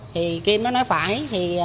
thì nguyễn kim nói phải